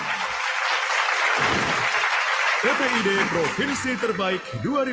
ppid provinsi terbaik dua ribu dua puluh